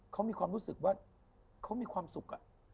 เขามีความรู้สึกว่าเขามีความสุข